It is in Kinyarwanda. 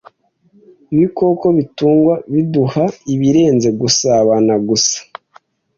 Ibikoko bitungwa biduha ibirenze gusabana gusa.